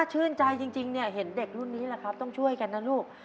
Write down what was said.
ชื่นใจจริงเนี่ยเห็นเด็กรุ่นนี้แหละครับต้องช่วยกันนะลูก